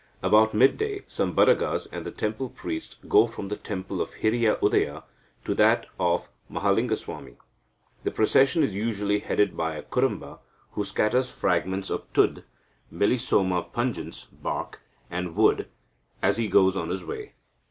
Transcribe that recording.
About midday, some Badagas and the temple priest go from the temple of Hiriya Udaya to that of Mahalingaswami. The procession is usually headed by a Kurumba, who scatters fragments of tud (Meliosma pungens) bark and wood as he goes on his way.